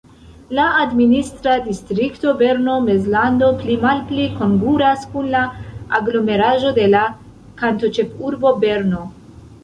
La administra distrikto Berno-Mezlando pli-malpli kongruas kun la aglomeraĵo de la kantonĉefurbo Berno.